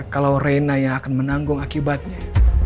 kalau reina yang akan menanggung akibatnya